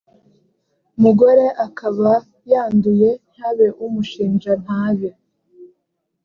mugore akaba yanduye ntihabe umushinja ntabe